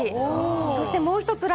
そしてもう１つ「ら」。